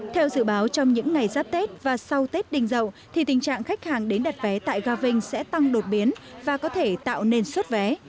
theo dự báo trong những ngày giáp tết và sau tết đình dậu thì tình trạng khách hàng đến đặt vé tại ga vinh sẽ tăng đột biến và có thể tạo nên xuất vé